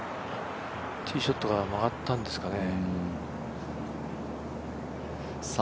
ティーショットが曲がったんですかね。